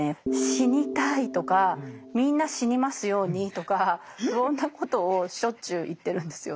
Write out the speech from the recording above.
「死にたい」とか「みんな死にますように」とか不穏なことをしょっちゅう言ってるんですよね。